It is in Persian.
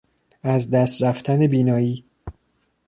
از دست رفتن بینایی